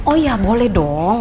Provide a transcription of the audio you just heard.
oh ya boleh dong